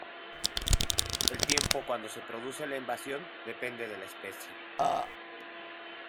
El tiempo cuando se produce la invasión depende de la especie.